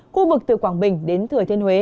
khu vực từ quảng bình đến thừa thiên huế